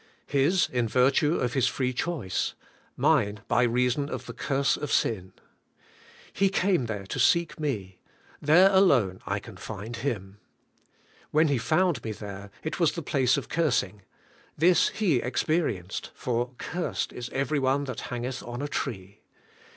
His in virtue of His free choice; mine by reason of the curse of sin. He came there to seek me; there alone I can find Him. When He found me there, it was the place of cursing; this He experienced, for * cursed is every one that hangeth on a tree.'